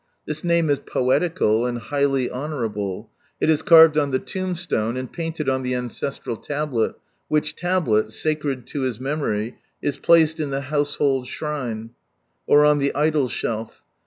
This name is poetical and highly honourable, it is carve<i on the tomb stone, and painted on the ancestral tablet, which tablet, sacred to his memory, is placed in the household shrine, or on the Idol shelf.